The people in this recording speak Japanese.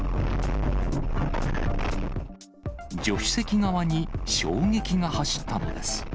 助手席側に衝撃が走ったのです。